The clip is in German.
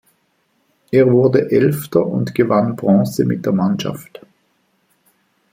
Er wurde Elfter und gewann Bronze mit der Mannschaft.